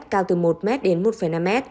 cao từ một m đến một năm m